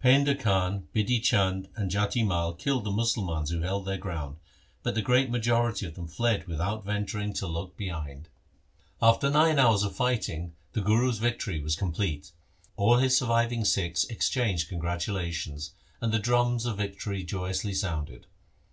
Painda Khan, Bidhi Chand, and Jati Mai killed the Musalmans who held their ground, but the great majority of them fled without venturing to look LIFE OF GURU HAR GOBIND behind. After nine hours of fighting the Guru's victory was complete. All his surviving Sikhs exchanged congratulations, and the drums of vic tory joyously sounded.